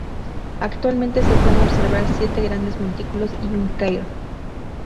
Actualmente, se pueden observar siete grandes montículos y un cairn.